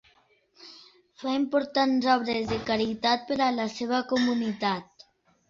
Fa importants obres de caritat per a la seva comunitat.